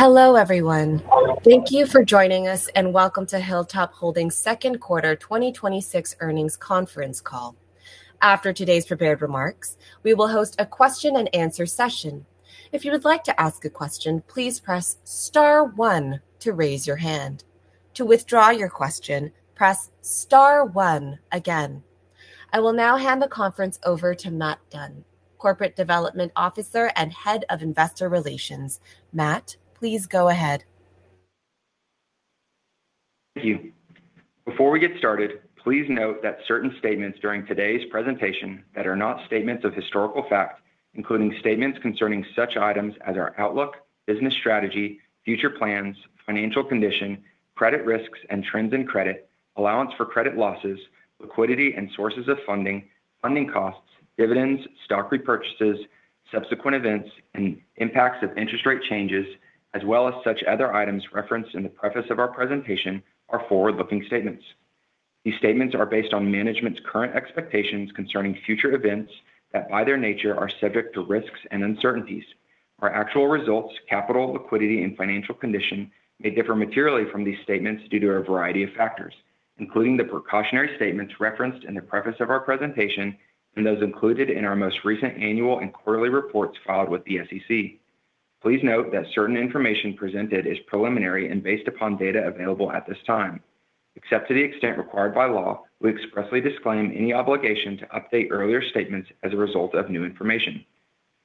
Hello, everyone. Thank you for joining us, and welcome to Hilltop Holdings' second quarter 2026 earnings conference call. After today's prepared remarks, we will host a question and answer session. If you would like to ask a question, please press star one to raise your hand. To withdraw your question, press star one again. I will now hand the conference over to Matt Dunn, Corporate Development Officer and Head of Investor Relations. Matt, please go ahead. Thank you. Before we get started, please note that certain statements during today's presentation that are not statements of historical fact, including statements concerning such items as our outlook, business strategy, future plans, financial condition, credit risks and trends in credit, allowance for credit losses, liquidity and sources of funding costs, dividends, stock repurchases, subsequent events, and impacts of interest rate changes, as well as such other items referenced in the preface of our presentation are forward-looking statements. These statements are based on management's current expectations concerning future events that, by their nature, are subject to risks and uncertainties. Our actual results, capital, liquidity, and financial condition may differ materially from these statements due to a variety of factors, including the precautionary statements referenced in the preface of our presentation and those included in our most recent annual and quarterly reports filed with the SEC. Please note that certain information presented is preliminary and based upon data available at this time. Except to the extent required by law, we expressly disclaim any obligation to update earlier statements as a result of new information.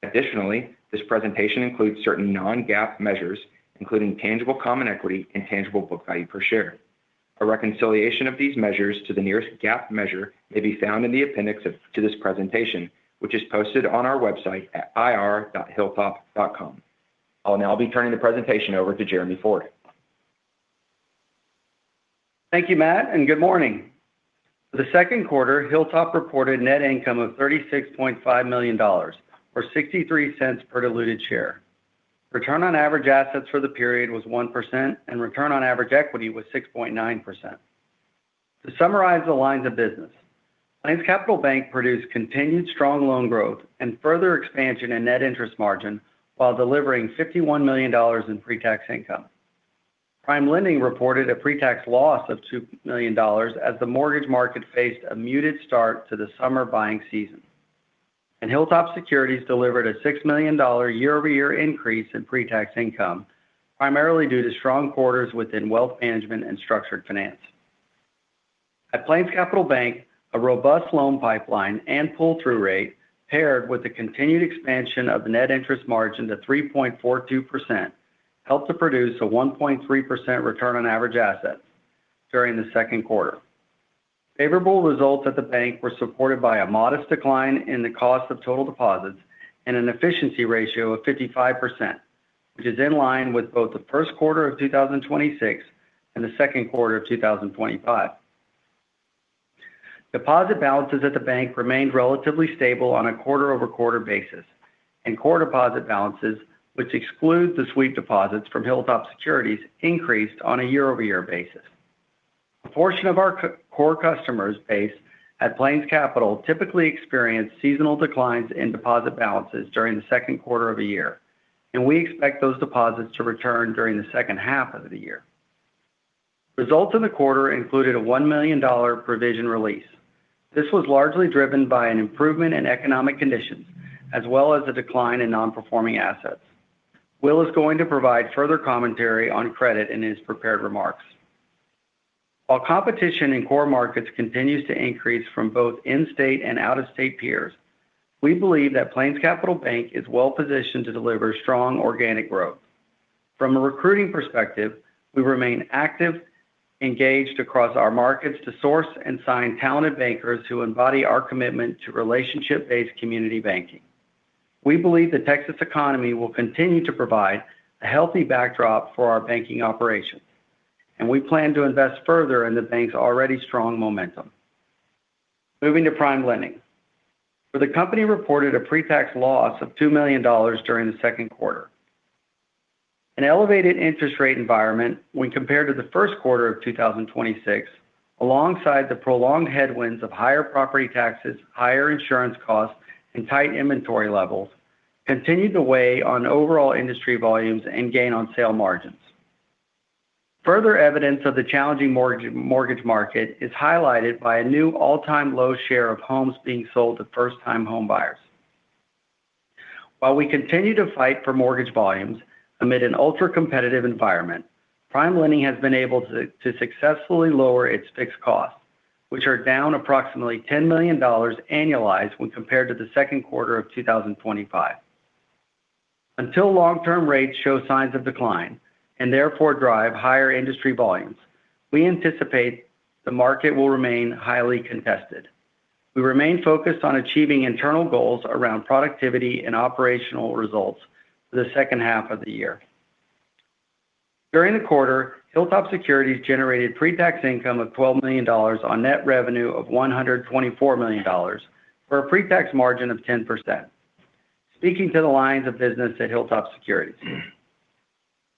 Additionally, this presentation includes certain non-GAAP measures, including tangible common equity and tangible book value per share. A reconciliation of these measures to the nearest GAAP measure may be found in the appendix to this presentation, which is posted on our website at ir.hilltop.com. I'll now be turning the presentation over to Jeremy Ford. Thank you, Matt. Good morning. For the second quarter, Hilltop reported net income of $36.5 million, or $0.63 per diluted share. Return on average assets for the period was 1%, and return on average equity was 6.9%. To summarize the lines of business, PlainsCapital Bank produced continued strong loan growth and further expansion in net interest margin while delivering $51 million in pre-tax income. PrimeLending reported a pre-tax loss of $2 million as the mortgage market faced a muted start to the summer buying season. HilltopSecurities delivered a $6 million year-over-year increase in pre-tax income, primarily due to strong quarters within Wealth Management and Structured Finance. At PlainsCapital Bank, a robust loan pipeline and pull-through rate paired with the continued expansion of net interest margin to 3.42% helped to produce a 1.3% return on average assets during the second quarter. Favorable results at the bank were supported by a modest decline in the cost of total deposits and an efficiency ratio of 55%, which is in line with both the first quarter of 2026 and the second quarter of 2025. Deposit balances at the bank remained relatively stable on a quarter-over-quarter basis, and core deposit balances, which excludes the sweep deposits from HilltopSecurities, increased on a year-over-year basis. A portion of our core customers base at PlainsCapital typically experience seasonal declines in deposit balances during the second quarter of a year, and we expect those deposits to return during the second half of the year. Results in the quarter included a $1 million provision release. This was largely driven by an improvement in economic conditions, as well as a decline in non-performing assets. Will is going to provide further commentary on credit in his prepared remarks. While competition in core markets continues to increase from both in-state and out-of-state peers, we believe that PlainsCapital Bank is well positioned to deliver strong organic growth. From a recruiting perspective, we remain active, engaged across our markets to source and sign talented bankers who embody our commitment to relationship-based community banking. We believe the Texas economy will continue to provide a healthy backdrop for our banking operations, and we plan to invest further in the bank's already strong momentum. Moving to PrimeLending, where the company reported a pre-tax loss of $2 million during the second quarter. An elevated interest rate environment when compared to the first quarter of 2026, alongside the prolonged headwinds of higher property taxes, higher insurance costs, and tight inventory levels, continued to weigh on overall industry volumes and gain-on-sale margins. Further evidence of the challenging mortgage market is highlighted by a new all-time low share of homes being sold to first-time homebuyers. While we continue to fight for mortgage volumes amid an ultra-competitive environment, PrimeLending has been able to successfully lower its fixed costs, which are down approximately $10 million annualized when compared to the second quarter of 2025. Until long-term rates show signs of decline and therefore drive higher industry volumes, we anticipate the market will remain highly contested. We remain focused on achieving internal goals around productivity and operational results for the second half of the year. During the quarter, HilltopSecurities generated pre-tax income of $12 million on net revenue of $124 million for a pre-tax margin of 10%. Speaking to the lines of business at HilltopSecurities.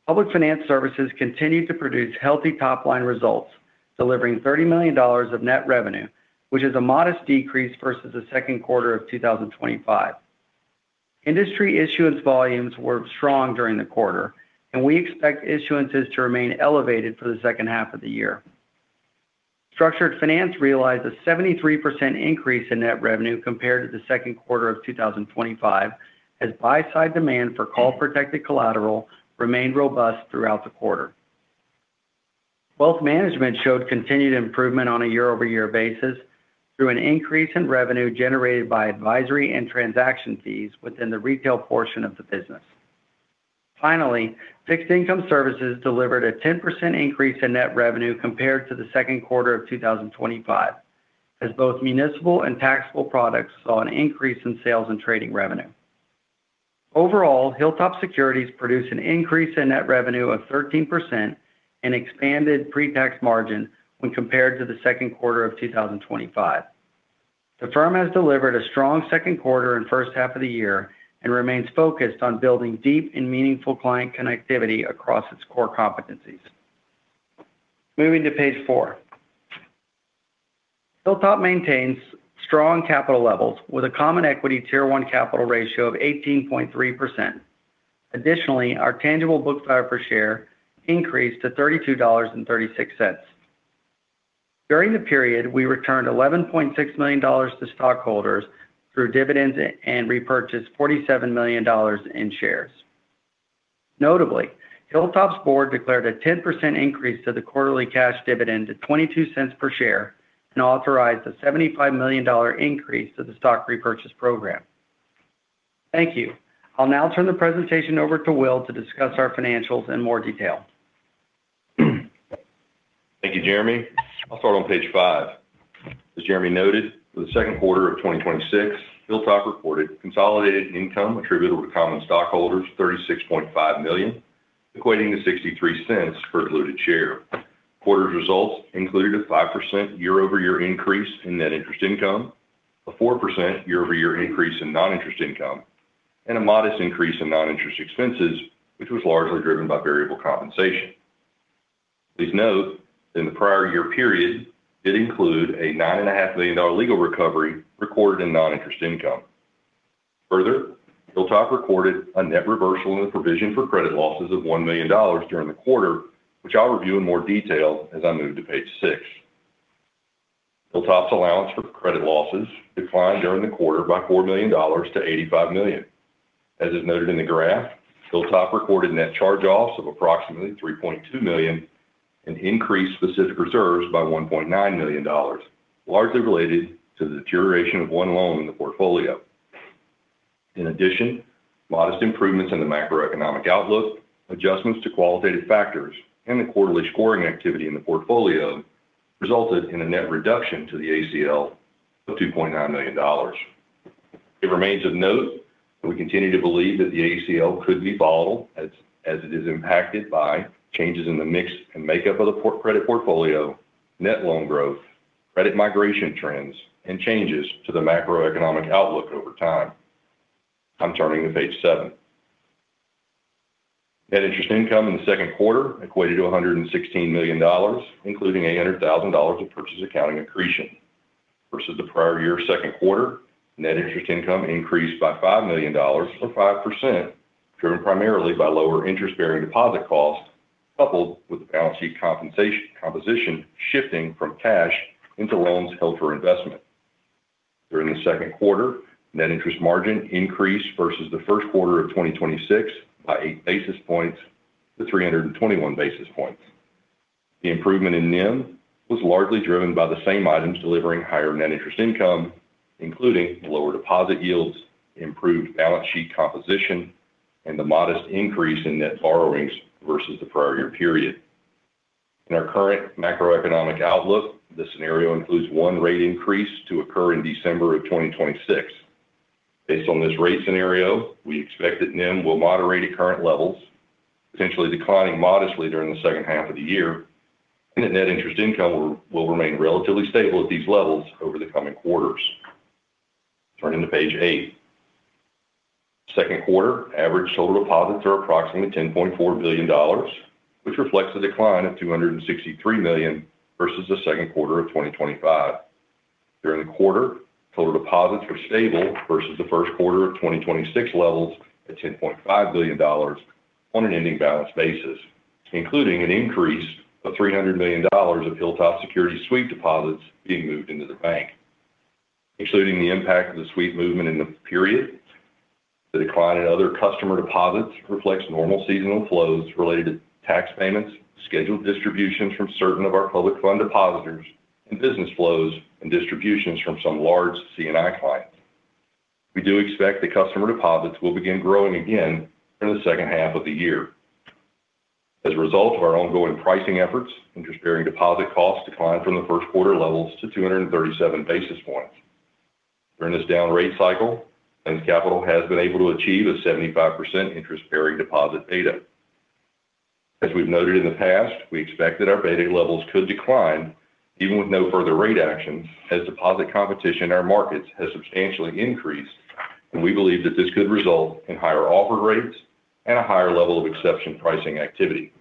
Public Finance services continued to produce healthy top-line results, delivering $30 million of net revenue, which is a modest decrease versus the second quarter of 2025. Industry issuance volumes were strong during the quarter, and we expect issuances to remain elevated for the second half of the year. Structured Finance realized a 73% increase in net revenue compared to the second quarter of 2025, as buy-side demand for call-protected collateral remained robust throughout the quarter. Wealth Management showed continued improvement on a year-over-year basis through an increase in revenue generated by advisory and transaction fees within the retail portion of the business. Finally, Fixed Income services delivered a 10% increase in net revenue compared to the second quarter of 2025, as both municipal and taxable products saw an increase in sales and trading revenue. Overall, HilltopSecurities produced an increase in net revenue of 13% and expanded pre-tax margin when compared to the second quarter of 2025. The firm has delivered a strong second quarter and first half of the year and remains focused on building deep and meaningful client connectivity across its core competencies. Moving to page four. Hilltop maintains strong capital levels with a Common Equity Tier 1 capital ratio of 18.3%. Additionally, our tangible book value per share increased to $32.36. During the period, we returned $11.6 million to stockholders through dividends and repurchased $47 million in shares. Notably, Hilltop's board declared a 10% increase to the quarterly cash dividend to $0.22 per share and authorized a $75 million increase to the stock repurchase program. Thank you. I'll now turn the presentation over to Will to discuss our financials in more detail. Thank you, Jeremy. I'll start on page five. As Jeremy noted, for the second quarter of 2026, Hilltop reported consolidated income attributable to common stockholders of $36.5 million, equating to $0.63 per diluted share. Quarter's results included a 5% year-over-year increase in net interest income, a 4% year-over-year increase in non-interest income, and a modest increase in non-interest expenses, which was largely driven by variable compensation. Please note that the prior year period did include a $9.5 million legal recovery recorded in non-interest income. Hilltop recorded a net reversal in the provision for credit losses of $1 million during the quarter, which I'll review in more detail as I move to page six. Hilltop's allowance for credit losses declined during the quarter by $4 million to $85 million. As is noted in the graph, Hilltop recorded net charge-offs of approximately $3.2 million, an increase to specific reserves by $1.9 million, largely related to the deterioration of one loan in the portfolio. Modest improvements in the macroeconomic outlook, adjustments to qualitative factors, and the quarterly scoring activity in the portfolio resulted in a net reduction to the ACL of $2.9 million. It remains of note that we continue to believe that the ACL could be volatile as it is impacted by changes in the mix and makeup of the credit portfolio, net loan growth, credit migration trends, and changes to the macroeconomic outlook over time. I'm turning to page seven. Net interest income in the second quarter equated to $116 million, including $800,000 of purchase accounting accretion. Versus the prior year second quarter, net interest income increased by $5 million or 5%, driven primarily by lower interest-bearing deposit costs, coupled with the balance sheet composition shifting from cash into loans held for investment. During the second quarter, net interest margin increased versus the first quarter of 2026 by 8 basis points to 321 basis points. The improvement in NIM was largely driven by the same items delivering higher net interest income, including lower deposit yields, improved balance sheet composition, and the modest increase in net borrowings versus the prior year period. In our current macroeconomic outlook, the scenario includes one rate increase to occur in December of 2026. Based on this rate scenario, we expect that NIM will moderate at current levels, potentially declining modestly during the second half of the year, and that net interest income will remain relatively stable at these levels over the coming quarters. Turning to page eight. Second quarter average total deposits are approximately $10.4 billion, which reflects a decline of $263 million versus the second quarter of 2025. During the quarter, total deposits were stable versus the first quarter of 2026 levels at $10.5 billion on an ending balance basis, including an increase of $300 million of HilltopSecurities sweep deposits being moved into the bank. Excluding the impact of the sweep movement in the period, the decline in other customer deposits reflects normal seasonal flows related to tax payments, scheduled distributions from certain of our public fund depositors, and business flows and distributions from some large C&I clients. We do expect the customer deposits will begin growing again during the second half of the year. As a result of our ongoing pricing efforts, interest-bearing deposit costs declined from the first quarter levels to 237 basis points. During this down rate cycle, PlainsCapital has been able to achieve a 75% interest-bearing deposit beta. As we've noted in the past, we expect that our beta levels could decline even with no further rate actions as deposit competition in our markets has substantially increased. We believe that this could result in higher offer rates and a higher level of exception pricing activity.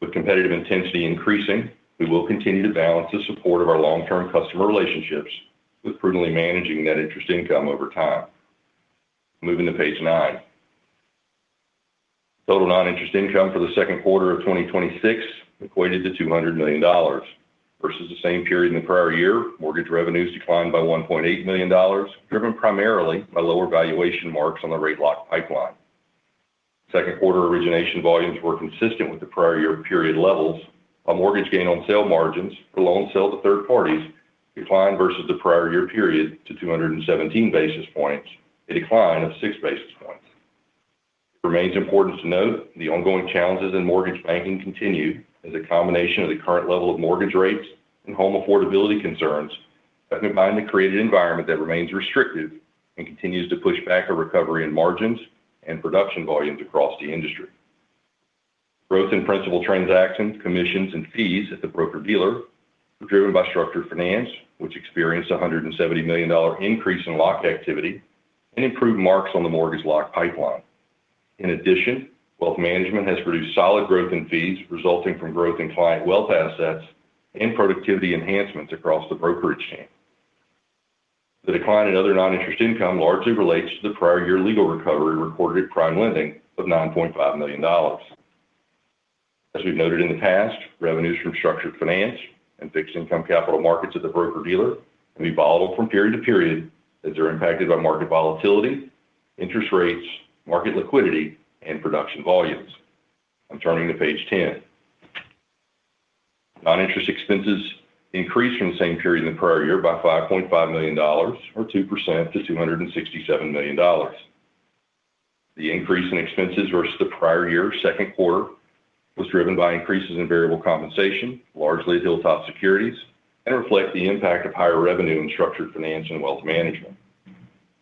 With competitive intensity increasing, we will continue to balance the support of our long-term customer relationships with prudently managing net interest income over time. Moving to page nine. Total non-interest income for the second quarter of 2026 equated to $200 million. Versus the same period in the prior year, mortgage revenues declined by $1.8 million, driven primarily by lower valuation marks on the rate lock pipeline. Second quarter origination volumes were consistent with the prior year period levels, while mortgage gain-on-sale margins for loans sold to third parties declined versus the prior year period to 217 basis points, a decline of 6 basis points. It remains important to note the ongoing challenges in mortgage banking continue as a combination of the current level of mortgage rates and home affordability concerns have combined to create an environment that remains restrictive and continues to push back a recovery in margins and production volumes across the industry. Growth in principal transactions, commissions, and fees at the broker-dealer were driven by Structured Finance, which experienced $170 million increase in locked activity and improved marks on the mortgage lock pipeline. In addition, Wealth Management has produced solid growth in fees resulting from growth in client wealth assets and productivity enhancements across the brokerage chain. The decline in other non-interest income largely relates to the prior year legal recovery reported at PrimeLending of $9.5 million. As we've noted in the past, revenues from Structured Finance and Fixed Income Capital Markets at the broker-dealer can be volatile from period to period as they're impacted by market volatility, interest rates, market liquidity, and production volumes. I'm turning to page 10. Non-interest expenses increased from the same period in the prior year by $5.5 million, or 2% to $267 million. The increase in expenses versus the prior year second quarter was driven by increases in variable compensation, largely at HilltopSecurities, and reflect the impact of higher revenue in Structured Finance and Wealth Management.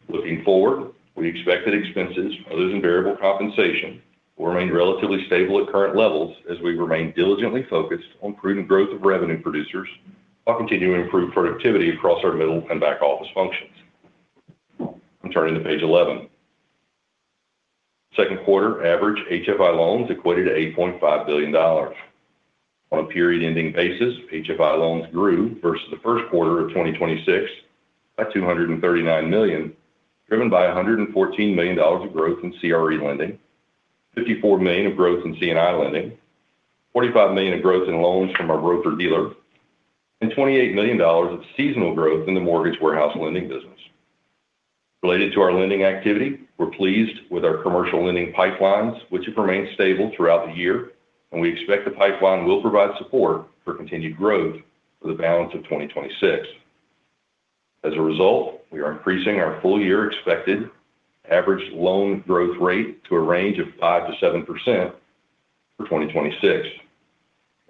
Looking forward, we expect that expenses, other than variable compensation, will remain relatively stable at current levels as we remain diligently focused on prudent growth of revenue producers while continuing to improve productivity across our middle and back office functions. I'm turning to page 11. Second quarter average HFI loans equated to $8.5 billion. On a period ending basis, HFI loans grew versus the first quarter of 2026 by $239 million, driven by $114 million of growth in CRE lending, $54 million of growth in C&I lending, $45 million of growth in loans from our broker-dealer, and $28 million of seasonal growth in the mortgage warehouse lending business. Related to our lending activity, we're pleased with our commercial lending pipelines, which have remained stable throughout the year, and we expect the pipeline will provide support for continued growth for the balance of 2026. We are increasing our full year expected average loan growth rate to a range of 5%-7% for 2026.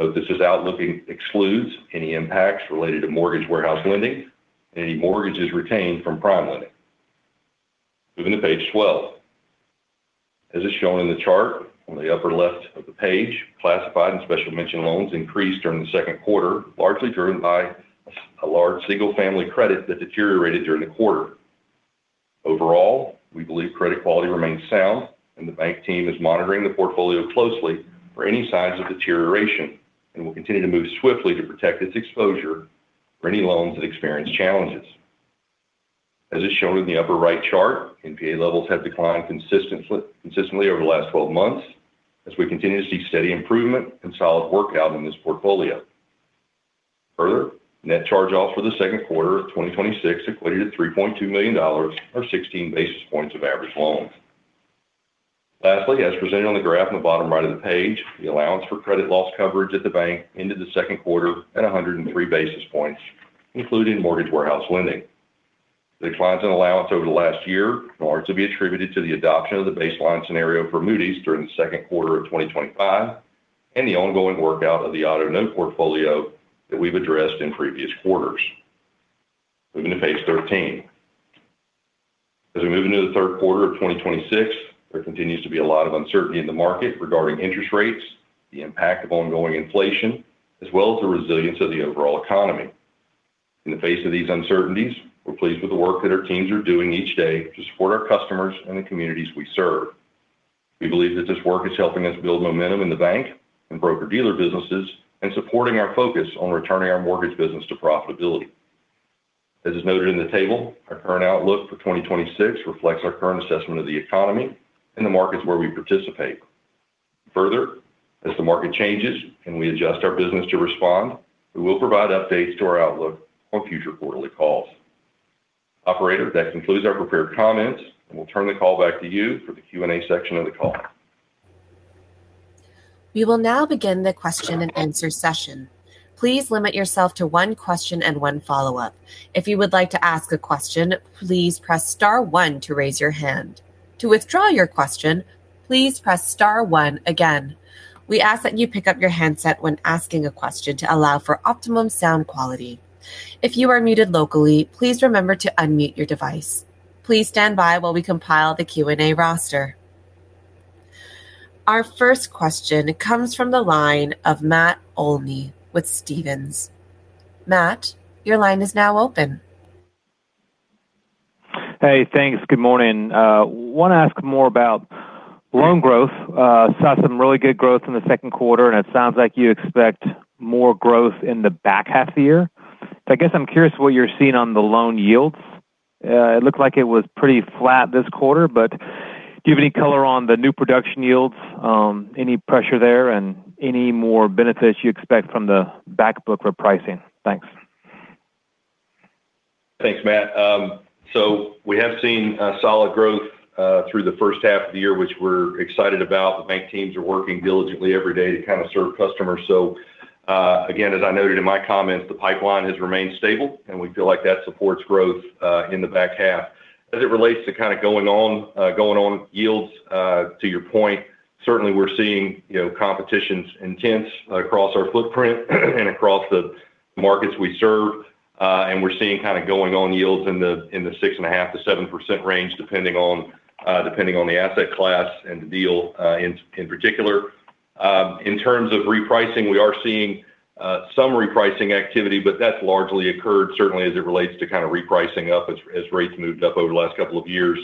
Note this outlook excludes any impacts related to mortgage warehouse lending and any mortgages retained from PrimeLending. Moving to page 12. As is shown in the chart on the upper left of the page, classified and special mention loans increased during the second quarter, largely driven by a large single-family credit that deteriorated during the quarter. Overall, we believe credit quality remains sound, and the bank team is monitoring the portfolio closely for any signs of deterioration and will continue to move swiftly to protect its exposure for any loans that experience challenges. As is shown in the upper right chart, NPA levels have declined consistently over the last 12 months as we continue to see steady improvement and solid workout in this portfolio. Net charge-offs for the second quarter of 2026 equated to $3.2 million, or 16 basis points of average loans. Lastly, as presented on the graph in the bottom right of the page, the allowance for credit losses coverage at the bank ended the second quarter at 103 basis points, including mortgage warehouse lending. The declines in allowance over the last year can largely be attributed to the adoption of the baseline scenario for Moody's during the second quarter of 2025 and the ongoing workout of the auto note portfolio that we've addressed in previous quarters. Moving to page 13. We move into the third quarter of 2026, there continues to be a lot of uncertainty in the market regarding interest rates, the impact of ongoing inflation, as well as the resilience of the overall economy. In the face of these uncertainties, we're pleased with the work that our teams are doing each day to support our customers and the communities we serve. We believe that this work is helping us build momentum in the bank and broker-dealer businesses and supporting our focus on returning our mortgage business to profitability. As is noted in the table, our current outlook for 2026 reflects our current assessment of the economy and the markets where we participate. As the market changes and we adjust our business to respond, we will provide updates to our outlook on future quarterly calls. Operator, that concludes our prepared comments, and we'll turn the call back to you for the Q&A section of the call. We will now begin the question and answer session. Please limit yourself to one question and one follow-up. If you would like to ask a question, please press star one to raise your hand. To withdraw your question, please press star one again. We ask that you pick up your handset when asking a question to allow for optimum sound quality. If you are muted locally, please remember to unmute your device. Please stand by while we compile the Q&A roster. Our first question comes from the line of Matt Olney with Stephens. Matt, your line is now open. Thanks. Good morning. I want to ask more about loan growth. Saw some really good growth in the second quarter, and it sounds like you expect more growth in the back half of the year. I guess I'm curious what you're seeing on the loan yields. It looked like it was pretty flat this quarter, but do you have any color on the new production yields? Any pressure there, and any more benefits you expect from the back book repricing? Thanks. Thanks, Matt. We have seen solid growth through the first half of the year, which we're excited about. The bank teams are working diligently every day to serve customers. Again, as I noted in my comments, the pipeline has remained stable, and we feel like that supports growth in the back half. As it relates to going-on yields, to your point, certainly we're seeing competition's intense across our footprint and across the markets we serve. We're seeing going-on yields in the 6.5%-7% range, depending on the asset class and the deal in particular. In terms of repricing, we are seeing some repricing activity, but that's largely occurred certainly as it relates to repricing up as rates moved up over the last couple of years.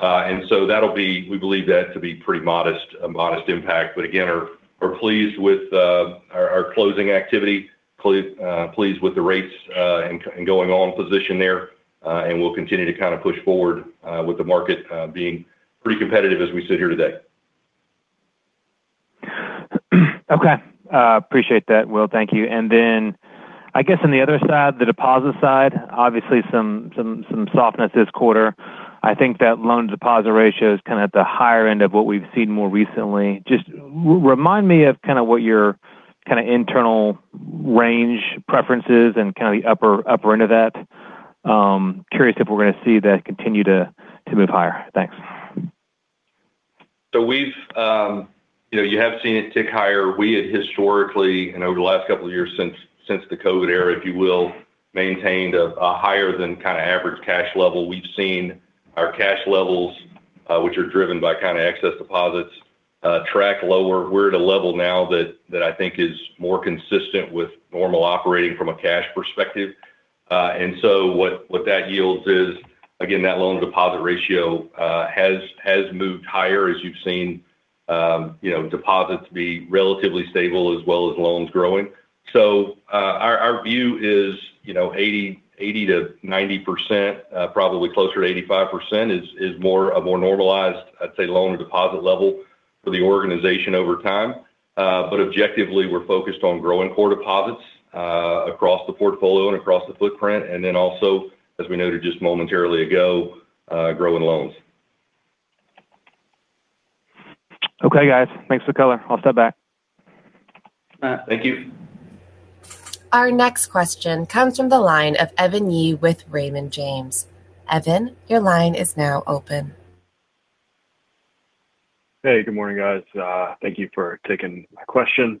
We believe that to be pretty modest impact, but again, we're pleased with our closing activity, pleased with the rates and going on position there. We'll continue to push forward with the market being pretty competitive as we sit here today. Okay. Appreciate that, Will, thank you. Then I guess on the other side, the deposit side, obviously some softness this quarter. I think that loan deposit ratio is at the higher end of what we've seen more recently. Just remind me of what your internal range preferences and the upper end of that. Curious if we're going to see that continue to move higher. Thanks. You have seen it tick higher. We had historically, and over the last couple of years since the COVID era, if you will, maintained a higher than average cash level. We've seen our cash levels, which are driven by excess deposits, track lower. We're at a level now that I think is more consistent with normal operating from a cash perspective. So what that yields is, again, that loan deposit ratio has moved higher as you've seen deposits be relatively stable as well as loans growing. So our view is 80%-90%, probably closer to 85%, is a more normalized, I'd say, loan deposit level for the organization over time. Objectively, we're focused on growing core deposits across the portfolio and across the footprint. Then also, as we noted just momentarily ago, growing loans. Okay, guys. Thanks for the color. I'll step back. All right. Thank you. Our next question comes from the line of Evan Yee with Raymond James. Evan, your line is now open. Hey. Good morning, guys. Thank you for taking my question.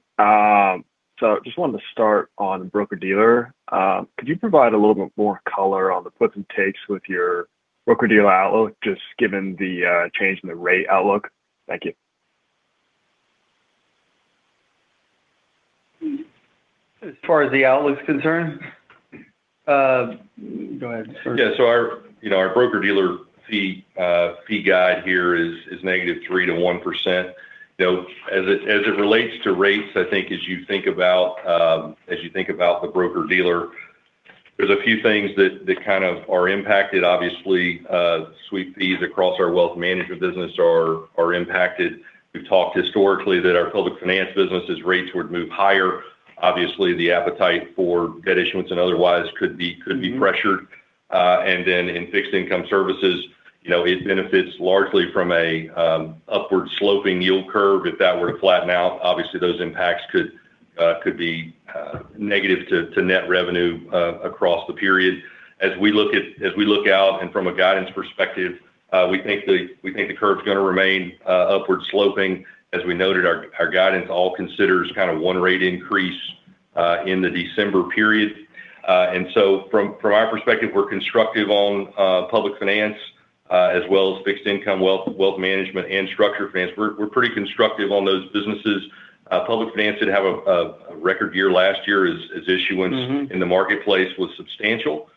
Just wanted to start on broker-dealer. Could you provide a little bit more color on the puts and takes with your broker-dealer outlook, just given the change in the rate outlook? Thank you. As far as the outlook's concerned? Go ahead, sir. Yeah. Our broker-dealer fee guide here is -3% to 1%. As it relates to rates, I think as you think about the broker-dealer, there's a few things that are impacted. Obviously, sweep fees across our Wealth Management business are impacted. We've talked historically that our Public Finance business, as rates would move higher, obviously the appetite for debt issuance and otherwise could be pressured. Then in Fixed Income services, it benefits largely from an upward-sloping yield curve. If that were to flatten out, obviously those impacts could be negative to net revenue across the period. As we look out and from a guidance perspective, we think the curve's going to remain upward sloping. As we noted, our guidance all considers one rate increase in the December period. From our perspective, we're constructive on Public Finance as well as fixed income Wealth Management and Structured Finance. We're pretty constructive on those businesses. Public Finance did have a record year last year as issuance in the marketplace was substantial.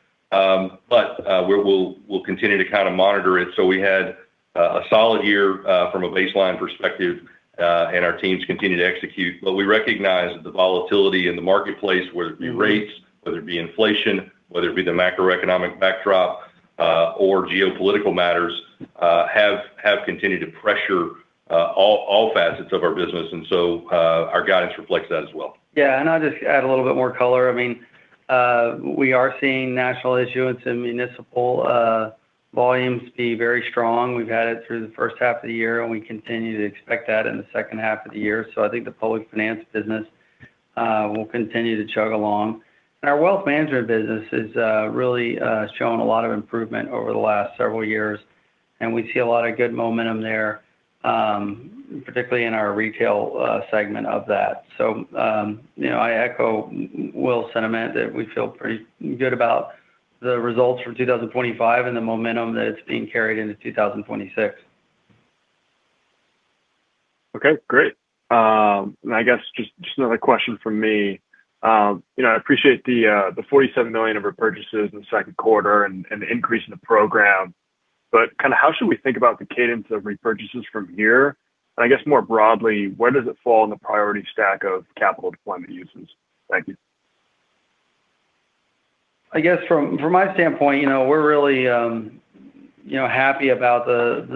We'll continue to monitor it. We had a solid year from a baseline perspective, and our teams continue to execute. We recognize the volatility in the marketplace, whether it be rates, whether it be inflation, whether it be the macroeconomic backdrop or geopolitical matters, have continued to pressure all facets of our business. Our guidance reflects that as well. Yeah, I'll just add a little bit more color. We are seeing national issuance and municipal volumes be very strong. We've had it through the first half of the year, and we continue to expect that in the second half of the year. I think the Public Finance business will continue to chug along. Our Wealth Management business has really shown a lot of improvement over the last several years, and we see a lot of good momentum there, particularly in our retail segment of that. I echo Will's sentiment that we feel pretty good about the results from 2025 and the momentum that is being carried into 2026. Okay, great. I guess just another question from me. I appreciate the $47 million of repurchases in the second quarter and the increase in the program. How should we think about the cadence of repurchases from here? I guess more broadly, where does it fall in the priority stack of capital deployment uses? Thank you. I guess from my standpoint, we're really happy about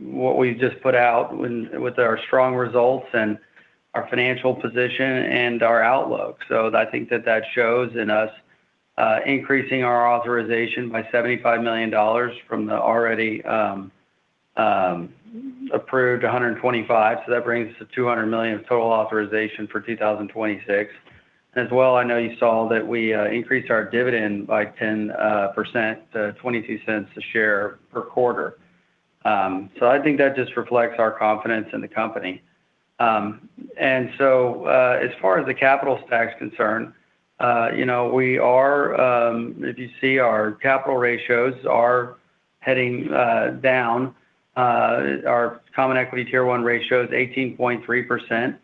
what we just put out with our strong results and our financial position and our outlook. I think that that shows in us increasing our authorization by $75 million from the already approved $125 million. That brings us to $200 million of total authorization for 2026. As well, I know you saw that we increased our dividend by 10% to $0.22 a share per quarter. I think that just reflects our confidence in the company. As far as the capital stack's concerned, if you see our capital ratios are heading down. Our Common Equity Tier 1 ratio is 18.3%,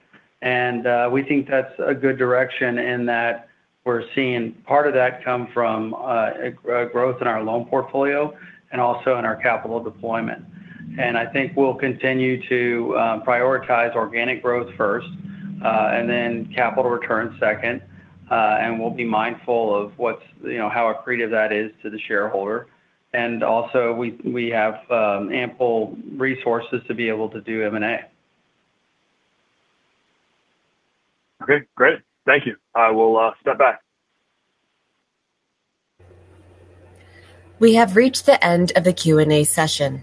and we think that's a good direction in that we're seeing part of that come from growth in our loan portfolio and also in our capital deployment. I think we'll continue to prioritize organic growth first, capital returns second, and we'll be mindful of how accretive that is to the shareholder. Also we have ample resources to be able to do M&A. Okay, great. Thank you. I will step back. We have reached the end of the Q&A session.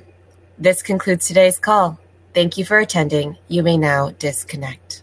This concludes today's call. Thank you for attending. You may now disconnect.